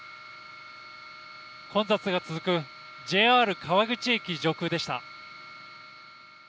混雑が続くＪＲ川口駅上空でした。